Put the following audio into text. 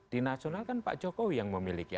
di nasional kan pak jokowi yang memiliki